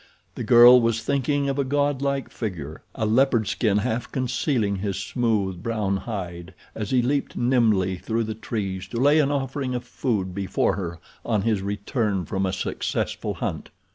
The girl was thinking of a god like figure, a leopard skin half concealing his smooth, brown hide as he leaped nimbly through the trees to lay an offering of food before her on his return from a successful hunt.